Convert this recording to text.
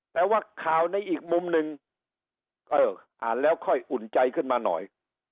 แต่ว่าข่าวในอีกมุมหนึ่งเอออ่านแล้วค่อยอุ่นใจขึ้นมาหน่อย